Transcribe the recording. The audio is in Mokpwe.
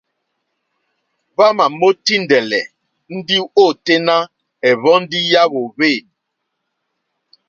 Hwámà mòtíndɛ́lɛ́ ndí ôténá ɛ̀hwɔ̀ndí yá hwōhwê.